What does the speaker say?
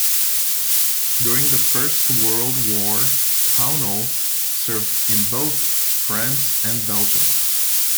During the First World War, Pownall served in both France and Belgium.